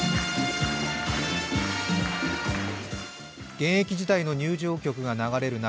現役時代の入場曲が流れる中